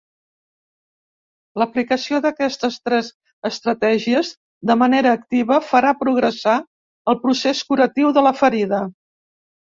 L'aplicació d'aquestes tres estratègies de manera activa farà progressar el procés curatiu de la ferida.